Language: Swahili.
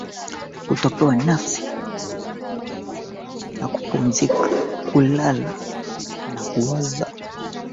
Kila aliye mtoto wa Mungu.